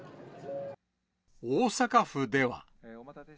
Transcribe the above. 大阪府では。